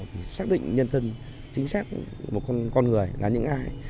thì xác định nhân thân chính xác một con người là những ai